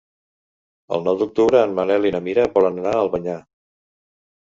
El nou d'octubre en Manel i na Mira volen anar a Albanyà.